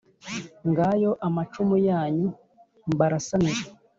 ngayo amacumu yanyu mbarasanira